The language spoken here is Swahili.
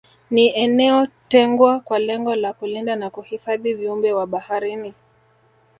Ni eneo tengwa kwa lengo la kulinda na kuhifadhi viumbe wa baharini